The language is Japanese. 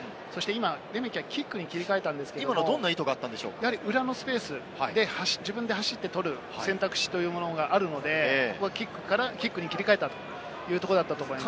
レメキはキックを切り替えたんですが、裏のスペースで走って取る選択肢というのがあるので、キックに切り替えたというところだったと思います。